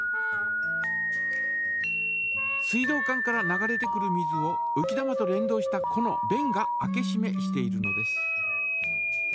水道管から流れてくる水をうき玉と連動したこのべんが開けしめしているのです。